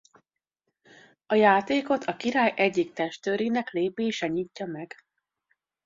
A játékot a király egyik testőrének lépése nyitja meg.